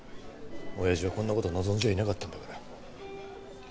親父はこんな事望んじゃいなかったんだから。